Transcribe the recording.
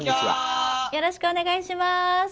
よろしくお願いします